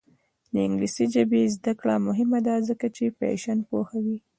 د انګلیسي ژبې زده کړه مهمه ده ځکه چې فیشن پوهوي.